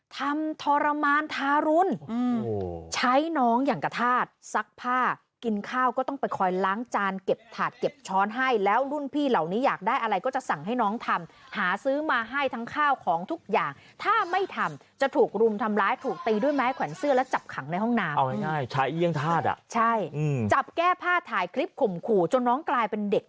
ทำทรมานทารุณใช้น้องอย่างกระทาสซักผ้ากินข้าวก็ต้องไปคอยล้างจานเก็บถาดเก็บช้อนให้แล้วรุ่นพี่เหล่านี้อยากได้อะไรก็จะสั่งให้น้องทำหาซื้อมาให้ทั้งข้าวของทุกอย่างถ้าไม่ทำจะถูกรุมทำร้ายถูกตีด้วยไม้แขวนเสื้อและจับขังในห้องน้ำเอาง่ายใช้เอี่ยงธาตุอ่ะใช่จับแก้ผ้าถ่ายคลิปข่มขู่จนน้องกลายเป็นเด็ก